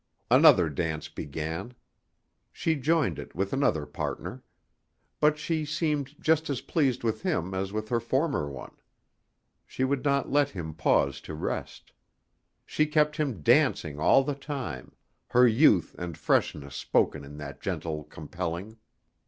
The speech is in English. Another dance began. She joined it with another partner. But she seemed just as pleased with him as with her former one. She would not let him pause to rest; she kept him dancing all the time, her youth and freshness spoken in that gentle compelling.